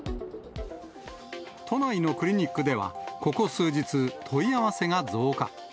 都内のクリニックでは、ここ数日、問い合わせが増加。